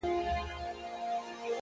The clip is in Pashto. • زه ستا په ځان كي يم ماته پيدا كړه؛